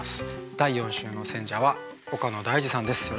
第４週の選者は岡野大嗣さんです。